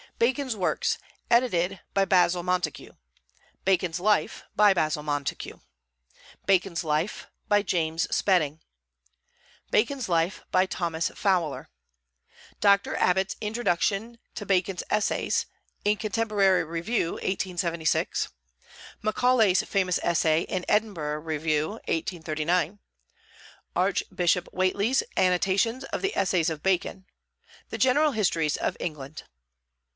Bacon's Works, edited by Basil Montagu; Bacon's Life, by Basil Montagu; Bacon's Life, by James Spedding; Bacon's Life, by Thomas Fowler; Dr. Abbott's Introduction to Bacon's Essays, in Contemporary Review, 1876; Macaulay's famous essay in Edinburgh Review, 1839; Archbishop Whately's annotations of the Essays of Bacon; the general Histories of England.